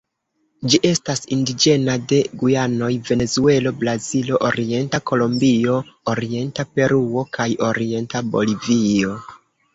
Ĝi estas indiĝena de Gujanoj, Venezuelo, Brazilo, orienta Kolombio, orienta Peruo, kaj orienta Bolivio.